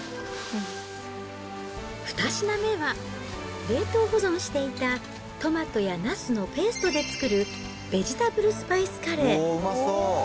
２品目は、冷凍保存していたトマトやナスのペーストで作るベジタブルスパイスカレー。